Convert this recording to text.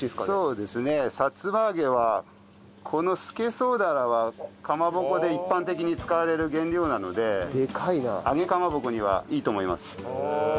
そうですねさつま揚げはこのスケソウダラはかまぼこで一般的に使われる原料なので揚げかまぼこにはいいと思います。